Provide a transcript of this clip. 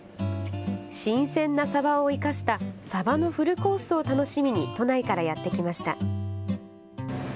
新鮮なサバを生かしたサバのフルコースを楽しみに都内からやって来ました。